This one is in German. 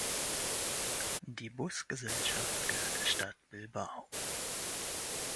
Die Busgesellschaft gehört der Stadt Bilbao.